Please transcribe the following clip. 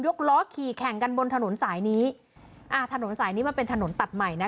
ล้อขี่แข่งกันบนถนนสายนี้อ่าถนนสายนี้มันเป็นถนนตัดใหม่นะ